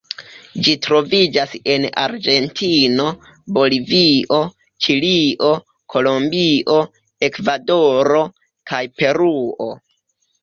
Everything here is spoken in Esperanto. Ĝi troviĝas en Argentino, Bolivio, Ĉilio, Kolombio, Ekvadoro, kaj Peruo.